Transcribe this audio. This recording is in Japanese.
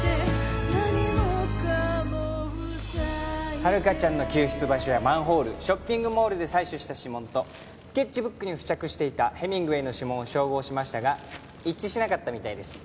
遥香ちゃんの救出場所やマンホールショッピングモールで採取した指紋とスケッチブックに付着していたヘミングウェイの指紋を照合しましたが一致しなかったみたいです。